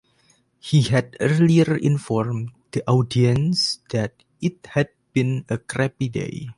He had earlier informed the audience that it had been a "crappy day".